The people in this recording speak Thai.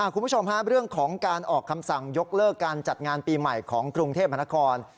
คุณผู้ชมเรื่องของการออกคำสั่งยกเลิกการจัดงานปีใหม่ของกรุงเทพมนคร